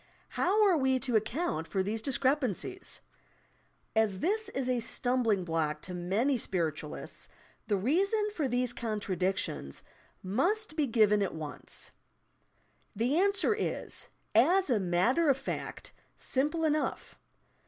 How are we to account for these discrepancies I As this is a stum bling block to many spiritualists, the reason for these contradictions must be given at once. The answer is, as a matter of fact, simple enough.